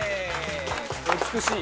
美しい。